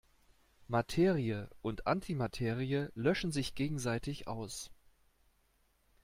Materie und Antimaterie löschen sich gegenseitig aus.